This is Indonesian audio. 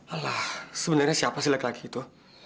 alah sebenarnya siapa sih laki laki itu